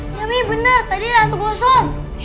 ya mi bener tadi ada hantu gosong